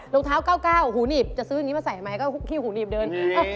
รองเท้า๙๙หูหนีบจะซื้ออันนี้มาใส่ใหม่ก็หูหนีบเดิน